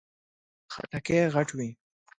خټکی غټ وي.